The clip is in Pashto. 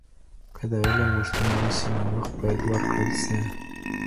که د علم غوښتنه وسي، نو وخت باید ورکړل سي.